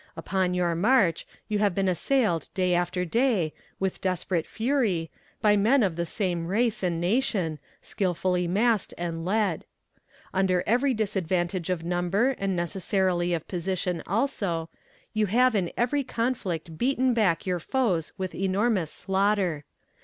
Upon your march, you have been assailed day after day, with desperate fury, by men of the same race and nation, skillfully massed and led. Under every disadvantage of number, and necessarily of position also, you have in every conflict beaten back your foes with enormous slaughter.